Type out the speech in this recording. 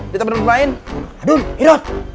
di tempat main main